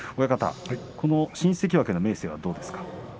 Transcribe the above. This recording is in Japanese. この新関脇の明生はどうですか。